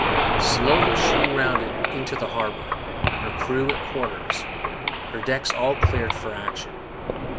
Slowly she rounded into the harbour, her crew at quarters, her decks all cleared for action.